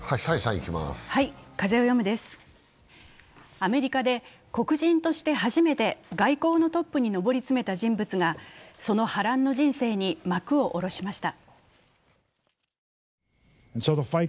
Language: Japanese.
アメリカで黒人として初めて外交のトップに上り詰めた人物がその波乱の人生に幕を下ろしました。